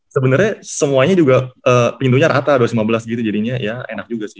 sebenarnya semuanya juga pintunya rata dua ratus lima belas gitu jadinya ya enak juga sih